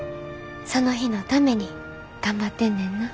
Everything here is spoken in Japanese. その日のために頑張ってんねんな。